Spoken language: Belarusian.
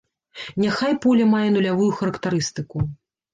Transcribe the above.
Няхай поле мае нулявую характарыстыку.